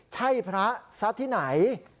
ใช่พระซะที่ไหน